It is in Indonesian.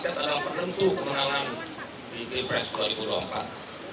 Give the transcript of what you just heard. karena itu dengan dukungan dari seluruh rakyat